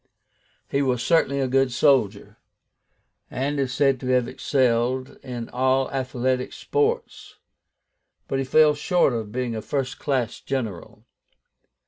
He was certainly a good soldier, and is said to have excelled in all athletic sports, but he fell short of being a first class general.